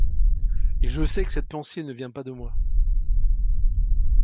Et je sais que cette pensée ne vient pas de moi.